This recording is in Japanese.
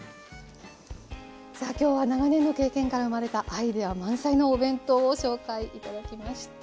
さあ今日は長年の経験から生まれたアイデア満載のお弁当を紹介頂きました。